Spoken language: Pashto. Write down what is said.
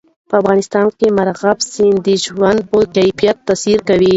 په افغانستان کې مورغاب سیند د ژوند په کیفیت تاثیر کوي.